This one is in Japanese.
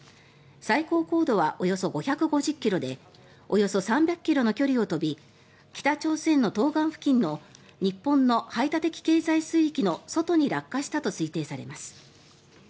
最高高度はおよそ５５０ｋｍでおよそ３００ｋｍの距離を飛び北朝鮮の東岸付近の日本の排他的経済水域の外に落下したと推定されます。